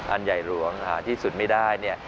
อันใหญ่หลวงหาที่สุดไม่ได้เนี่ย